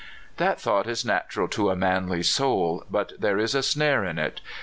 '* That thought is natural to a manly soul, but there is a snare in it.